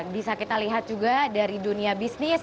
bisa kita lihat juga dari dunia bisnis